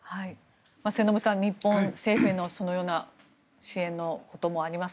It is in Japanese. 末延さん、日本政府のそのような支援のこともあります